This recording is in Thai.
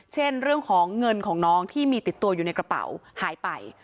เช่นเรื่องของเงินของน้องที่มีติดตัวอยู่ในกระเป๋าหายไป